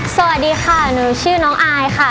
สวัสดีค่ะหนูชื่อน้องอายค่ะ